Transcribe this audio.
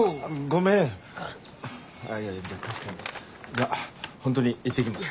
じゃ本当に行ってきます。